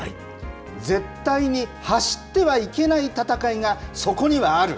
絶対に走ってはいけない戦いがそこにはある！